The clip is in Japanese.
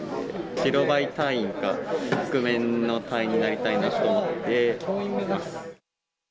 白バイ隊員か覆面の隊員になりたいなと思ってます。